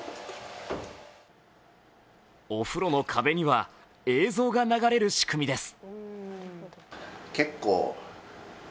お風呂の壁には映像が流れる仕組みです。